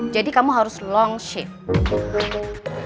jadi kamu harus long shift